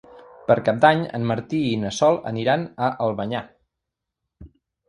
Per Cap d'Any en Martí i na Sol aniran a Albanyà.